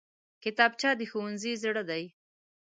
کتابچه د ښوونځي زړه دی